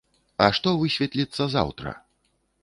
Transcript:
А што высветліцца заўтра?